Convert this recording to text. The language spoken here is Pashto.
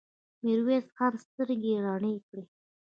ميرويس خان سترګې رڼې کړې.